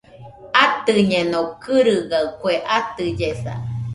Atɨñeno gɨrɨgaɨ kue atɨllesa